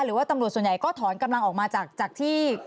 หรือว่าตำรวจส่วนใหญ่ก็ถอนกำลังออกมาจากที่